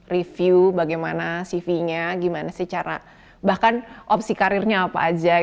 review bagaimana cv nya gimana sih cara bahkan opsi karirnya apa aja